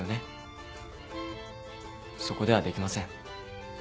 そこではできません。